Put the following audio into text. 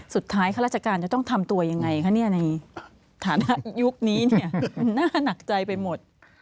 สุดท้ายครัฐราชการจะต้องทำตัวยังไงคะในฐานะยุคนี้เนี่ยหน้านักใจไปหมด